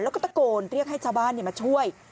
แล้วก็ตะโกนเรียกให้ชาวบ้านมาช่วย